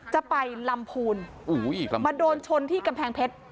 จะไปลำพูนมาโดนชนที่กำแพงเพชร